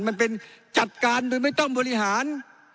มันเป็นจัดการโดยไม่ต้องบริหาร